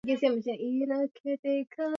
kaka habari za zambia bwana ni nzuri idd hajj leo